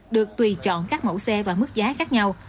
được tùy chọn các mẫu xe và mức giá khác nhau